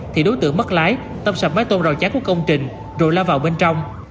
thì đối tượng mất lái tâm sạp máy tôm rào chán của công trình rồi la vào bên trong